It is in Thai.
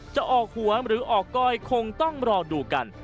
จะออกหัวหรือออกก้อยคงต้องรอดูกัน